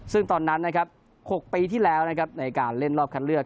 ซึ่งตอนนั้นนะครับ๖ปีที่แล้วนะครับในการเล่นรอบคัดเลือก